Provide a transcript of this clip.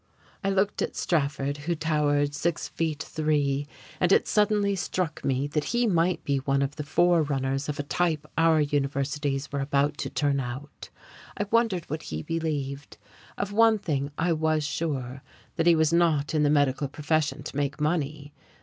I looked at Strafford, who towered six feet three, and it suddenly struck me that he might be one of the forerunners of a type our universities were about to turn out. I wondered what he believed. Of one thing I was sure, that he was not in the medical profession to make money.